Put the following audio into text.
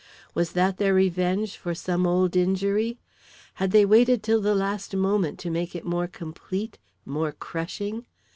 Was that their revenge for some old injury? Had they waited till the last moment to make it more complete, more crushing?